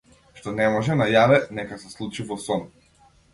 Што не може на јаве, нека се случи во сон.